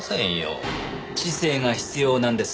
知性が必要なんです